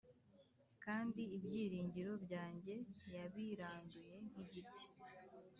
kandi ibyiringiro byanjye yabiranduye nk’igiti